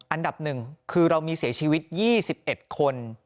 อันดับ๑คือเรามีเสียชีวิต๒๑คน